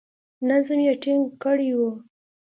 نظم یې ټینګ کړی وو.